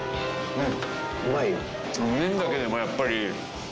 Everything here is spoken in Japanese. うん！